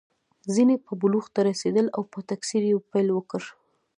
ځینې به بلوغ ته رسېدل او په تکثر یې پیل وکړ.